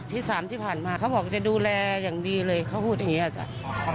เขารับปากหรือเปล่าอ๋อเขารับปากหรือเปล่า